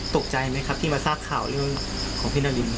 ตกใจไหมครับที่มาทราบข่าวเรื่องของพี่นาริน